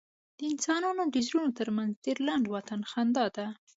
د انسانانو د زړونو تر منځ ډېر لنډ واټن خندا ده.